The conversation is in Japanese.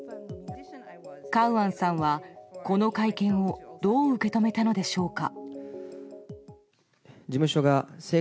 カウアンさんはこの会見をどう受け止めたのでしょうか。